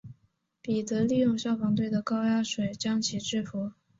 彼得利用消防队的高压水将其制伏。